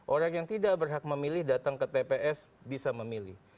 orang yang tidak berhak memilih datang ke tps bisa memilih